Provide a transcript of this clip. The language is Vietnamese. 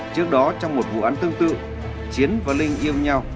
trước đó trong một vụ án tương tự chiến và linh yêu nhau